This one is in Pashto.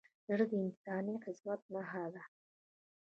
زړه د انساني عظمت نښه ده.